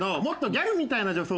ギャルみたいな女装？